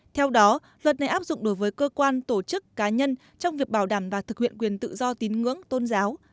theo đó luật này áp dụng đối với cơ quan tổ chức cá nhân trong việc bảo đảm và thực hiện quyền tự do tín ngưỡng tôn giáo